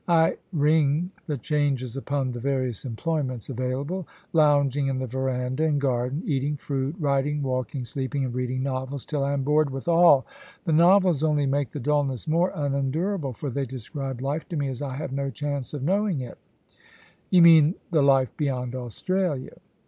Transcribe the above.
X ring the changes upon the various employments available — lounging in the verandah and garden, eating fruit, riding, walking, sleeping, and reading novels, till I am bored with all The novels only make the dulness more unendurable, for they describe life to me as I have no chance of know ing it' ' You mean the life beyond Australia